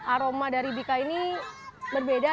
aroma dari bika ini berbeda